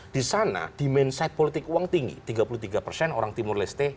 di sana demand side politik uang tinggi tiga puluh tiga persen orang timur leste